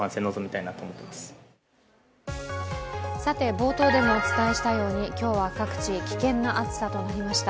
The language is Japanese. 冒頭でもお伝えしたように今日は各地、危険な暑さとなりました。